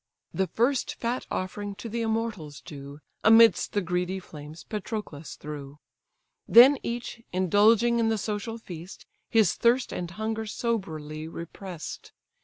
The first fat offering to the immortals due, Amidst the greedy flames Patroclus threw; Then each, indulging in the social feast, His thirst and hunger soberly repress'd.